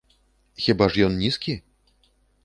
Хіба ж ён нізкі?